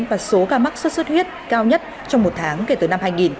và số ca mắc sốt xuất huyết cao nhất trong một tháng kể từ năm hai nghìn